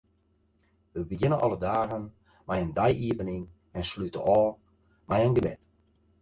Wy begjinne alle dagen mei in dei-iepening en slute ôf mei in gebed.